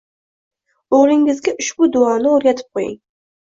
O‘g‘lingizga ushbu duoni o‘rgatib qo‘ying.